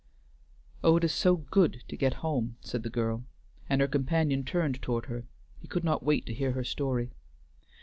"Oh, it is so good to get home," said the girl, and her companion turned toward her; he could not wait to hear her story.